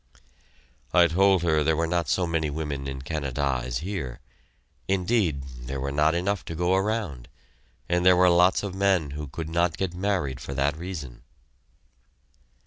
I told her there were not nearly so many women in Canada as here; indeed, there were not enough to go around, and there were lots of men who could not get married for that reason.